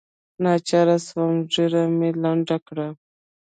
ناچاره سوم ږيره مې لنډه کړه.